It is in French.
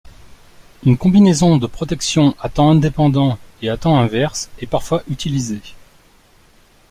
Une combinaison de protection à temps indépendant et à temps inverse est parfois utilisée.